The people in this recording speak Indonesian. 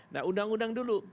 nah undang undang dulu